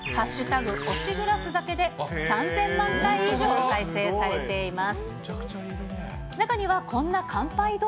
推しグラスだけで３０００万回以上再生されています。